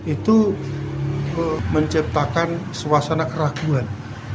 itu menciptakan suasana keraguan